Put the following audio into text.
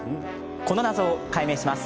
この謎を解明します。